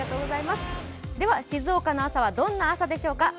静岡の朝はどんな朝でしょうか？